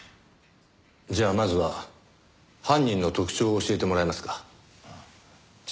じゃあまずは犯人の特徴を教えてもらえますか？